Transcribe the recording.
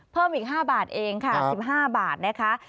เพิ่มอีก๕บาทเองค่ะ๑๕บาทนะคะ